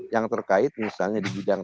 yang terkait misalnya di bidang